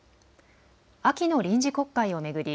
秋の臨時国会を巡り